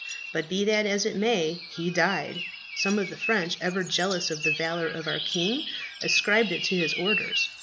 But be that as it may, he died. Some of the French, ever jealous of the valour of our king, ascribed it to his orders.